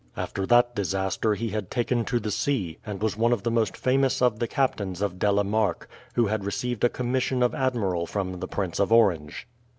After that disaster he had taken to the sea, and was one of the most famous of the captains of De la Marck, who had received a commission of admiral from the Prince of Orange.